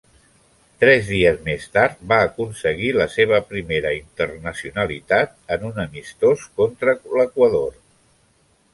Tres dies més tard va aconseguir la seva primera internacionalitat en un amistós contra l'Equador.